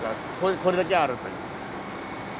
これだけあるという。